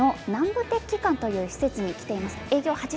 盛岡市の南部鉄器館という施設に来ています。